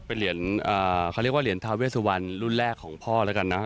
เป็นเหรียญเขาเรียกว่าเหรียญทาเวสวันรุ่นแรกของพ่อแล้วกันนะครับ